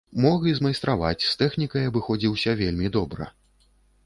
Мог і змайстраваць, з тэхнікай абыходзіўся вельмі добра.